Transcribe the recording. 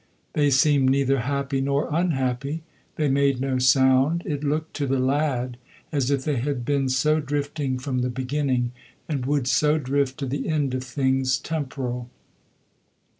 They seemed neither happy nor unhappy, they made no sound; it looked to the lad as if they had been so drifting from the beginning, and would so drift to the end of things temporal.